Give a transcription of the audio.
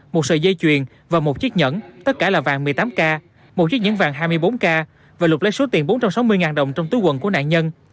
một sợi dây chuyền và một chiếc nhẫn tất cả là vàng một mươi tám k một chiếc nhẫn vàng hai mươi bốn k và lục lấy số tiền bốn trăm sáu mươi đồng trong túi quần của nạn nhân